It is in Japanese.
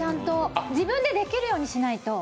自分でできるようにしないと。